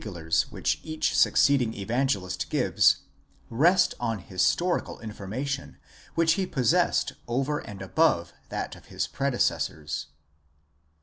lars which each succeeding Evangelist gives, rest on historical information which he possessed over and above that of his predecessors.